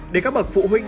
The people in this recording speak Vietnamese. để các bậc phụ huynh